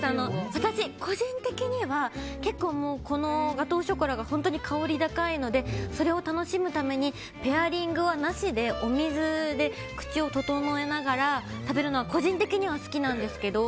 私、個人的には結構ガトーショコラが本当に香り高いのでそれを楽しむためにペアリングはなしでお水で口を整えながら食べるのが個人的には好きなんですけど。